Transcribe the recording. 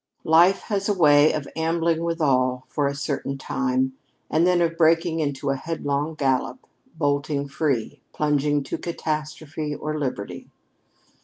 Life has a way of ambling withal for a certain time, and then of breaking into a headlong gallop bolting free plunging to catastrophe or liberty.